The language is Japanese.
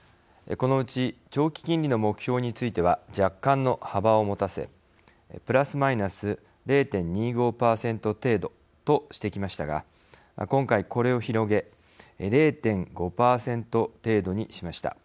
このうち、長期金利の目標については若干の幅を持たせプラスマイナス０．２５％程度としてきましたが今回これを広げ０．５％程度にしました。